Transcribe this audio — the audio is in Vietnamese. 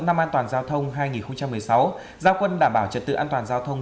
năm an toàn giao thông hai nghìn một mươi sáu giao quân đảm bảo trật tự an toàn giao thông